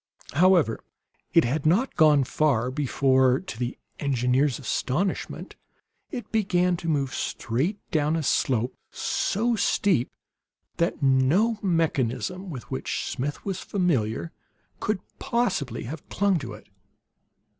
However, it had not gone far before, to the engineer's astonishment, it began to move straight down a slope so steep that no mechanism with which Smith was familiar could possibly have clung to it.